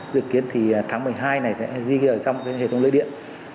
dự kiến thì tháng một mươi hai này sẽ di kỷ ở trong hệ thống lưới điện